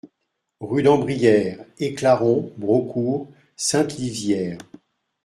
Rue d'Ambrieres, Éclaron-Braucourt-Sainte-Livière